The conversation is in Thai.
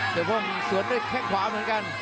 เสียวโป้งสวนด้วยแค่ขวาเหมือนกัน